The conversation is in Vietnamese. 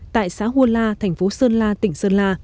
tại xã huôn la thành phố sơn la tỉnh sơn la